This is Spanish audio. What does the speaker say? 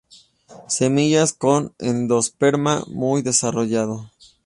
Semillas con endosperma muy desarrollado.